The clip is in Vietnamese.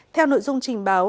theo nội dung trình báo